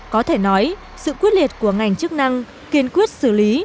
có thể nói sự quyết liệt của ngành chức năng kiên quyết xử lý